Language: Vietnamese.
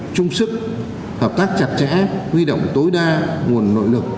trung sức hợp tác chặt chẽ huy động tối đa nguồn nội lực